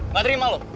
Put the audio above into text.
gak terima lo